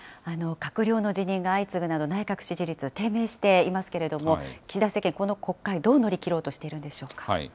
閣僚の辞任が相次ぐなど、内閣支持率、低迷していますけれども、岸田政権、この国会、どう乗り切ろうとしているんでしょうか。